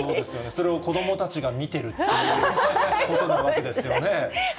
それを子どもたちが見てるっていうことなわけですよね。